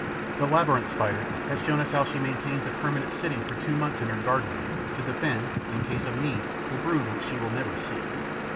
The Labyrinth Spider has shown us how she maintains a permanent sitting for two months in her guard room, to defend, in case of need, the brood which she will never see.